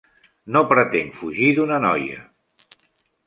No pretenc fugir d'una noia.